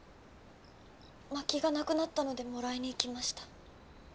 まきがなくなったのでもらいに行きました。